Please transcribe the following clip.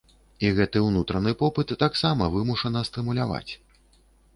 І гэты ўнутраны попыт таксама вымушана стымуляваць.